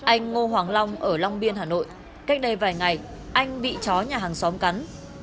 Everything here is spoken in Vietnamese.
anh ngô hoàng long ở long biên hà nội cách đây vài ngày anh bị chó nhà hàng xóm cắn